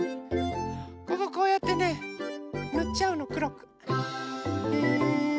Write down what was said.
こここうやってねぬっちゃうのくろく。